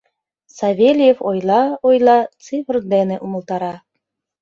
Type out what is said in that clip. Савельев ойла, ойла — цифр дене умылтара.